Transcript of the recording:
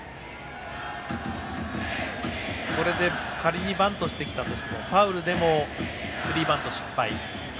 仮にバントしてきたとしてもファウルでもスリーバント失敗。